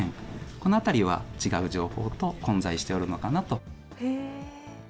このあたりは違う情報と混在しておるのかなと。